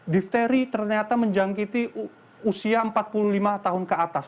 difteri ternyata menjangkiti usia empat puluh lima tahun ke atas